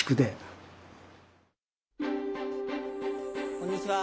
こんにちは。